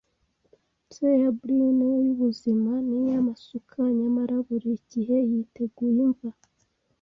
Se a ya brine yubuzima niy'amasuka nyamara buri gihe yiteguye imva,